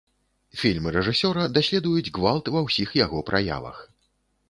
Фільмы рэжысёра даследуюць гвалт ва ўсіх яго праявах.